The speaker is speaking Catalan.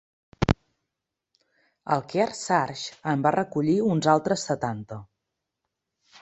El Kearsarge en va recollir uns altres setanta.